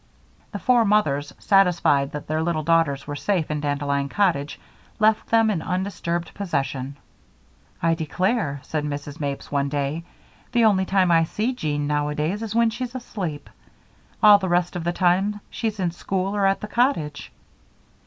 The four mothers, satisfied that their little daughters were safe in Dandelion Cottage, left them in undisturbed possession. "I declare," said Mrs. Mapes one day, "the only time I see Jean, nowadays, is when she's asleep. All the rest of the time she's in school or at the cottage."